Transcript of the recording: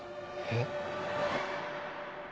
えっ